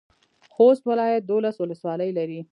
خوست ولایت دولس ولسوالۍ لري.